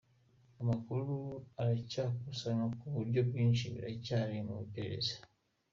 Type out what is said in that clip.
Amakuru aracyakusanywa ku buryo ibyinshi biracyari mu iperereza”.